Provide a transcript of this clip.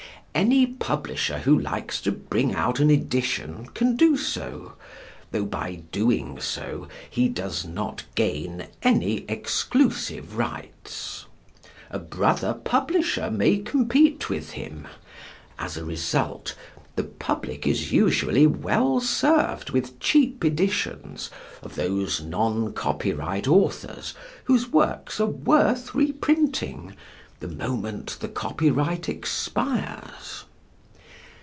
Any publisher who likes to bring out an edition can do so, though by doing so he does not gain any exclusive rights. A brother publisher may compete with him. As a result the public is usually well served with cheap editions of those non copyright authors whose works are worth reprinting the moment the copyright expires.